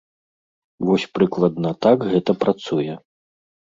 Вось прыкладна так гэта працуе.